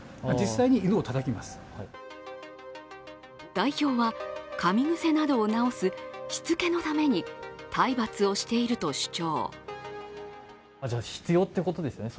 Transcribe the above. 代表はかみ癖などを直すしつけのために体罰をしていると主張。